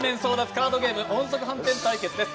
カードゲーム音速飯店対決です。